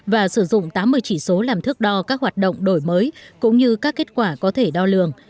và sử dụng tám mươi chỉ số làm thước đo các hoạt động đổi mới cũng như các kết quả có thể đo lường